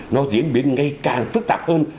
nó diễn biến ngay càng phức tạp hơn